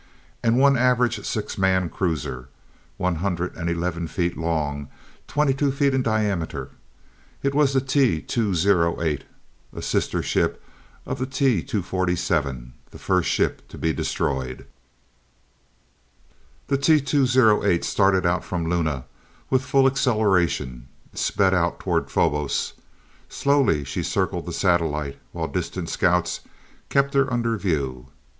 And one average six man cruiser, one hundred and eleven feet long, twenty two in diameter. It was the T 208, a sister ship of the T 247, the first ship to be destroyed. The T 208 started out from Luna, and with full acceleration, sped out toward Phobos. Slowly she circled the satellite, while distant scouts kept her under view.